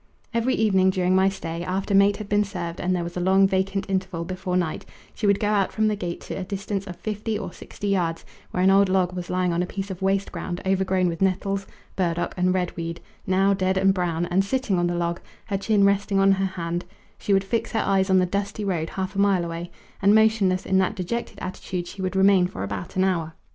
Every evening during my stay, after mate had been served and there was a long vacant interval before night, she would go out from the gate to a distance of fifty or sixty yards, where an old log was lying on a piece of waste ground overgrown with nettles, burdock, and redweed, now dead and brown, and sitting on the log, her chin resting on her hand, she would fix her eyes on the dusty road half a mile away, and motionless in that dejected attitude she would remain for about an hour.